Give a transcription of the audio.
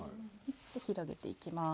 広げていきます。